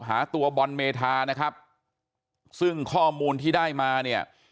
หาตัวบอลเมธานะครับซึ่งข้อมูลที่ได้มาเนี่ย